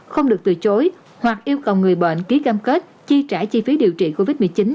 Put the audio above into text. không được từ chối hoặc yêu cầu người bệnh ký cam kết chi trả chi phí điều trị covid một mươi chín